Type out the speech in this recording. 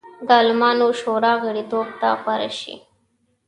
د عالمانو شورا غړیتوب ته غوره شي.